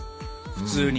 普通に。